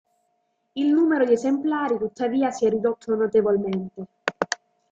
Il numero di esemplari, tuttavia, si è ridotto notevolmente.